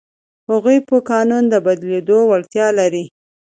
هغوی په قانون د بدلېدو وړتیا لرله.